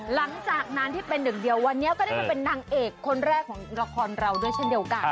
หลังจากนั้นที่เป็นหนึ่งเดียววันนี้ก็ได้มาเป็นนางเอกคนแรกของละครเราด้วยเช่นเดียวกัน